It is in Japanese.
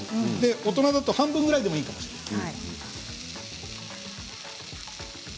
大人だと半分ぐらいでいいかもしれません。